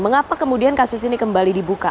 mengapa kemudian kasus ini kembali dibuka